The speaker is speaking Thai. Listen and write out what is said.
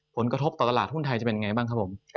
ผลกระทบต่อตลาดหุ้นไทยจะเป็นอย่างไรบ้างครับผม